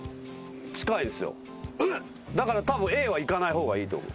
だからたぶんＡはいかない方がいいと思う。